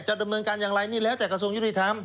ดำเนินการอย่างไรนี่แล้วแต่กระทรวงยุติธรรม